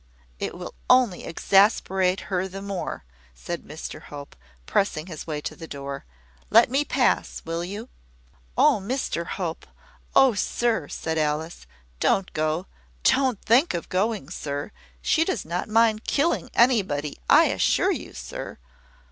It will only exasperate her the more," said Mr Hope, pressing his way to the door. "Let me pass, will you?" "Oh, Mr Hope! Oh, sir!" said Alice, "don't go! Don't think of going, sir! She does not mind killing anybody, I assure you, sir."